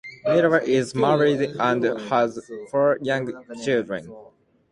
Millar is married and has four young children.